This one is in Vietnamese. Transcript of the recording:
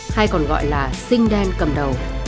hay còn gọi là sinh đen cầm đầu